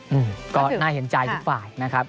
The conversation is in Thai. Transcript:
อืมก็น่าเห็นใจทุกฝ่ายนะครับ